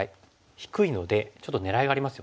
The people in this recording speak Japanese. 低いのでちょっと狙いがありますよね。